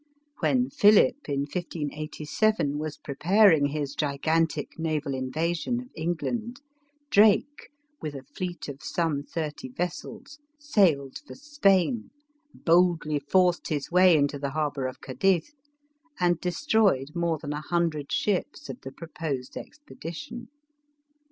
When Philip, in 1587, was preparing his gigantic naval invasion of England, Drake, with a fleet of some thirty vessels, sailed for Spain, boldly forced his way into the harbor of Cadiz and destroyed more than a hundred ships of the proposed expedition.